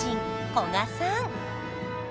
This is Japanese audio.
古賀さん